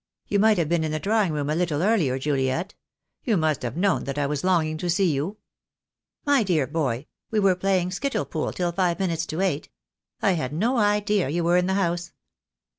You might have been in the drawing room a little earlier, Juliet. You must have known that I was longing to see you." "My dear boy, we were playing skittle pool till five 12 THE DAY WILL COME. minutes to eight. I had no idea you were in the house.